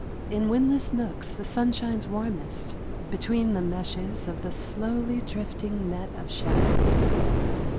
In windless nooks the sun shines warmest between the meshes of the slowly drifting net of shadows.